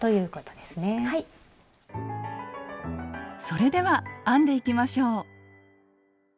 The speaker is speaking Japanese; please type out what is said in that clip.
それでは編んでいきましょう！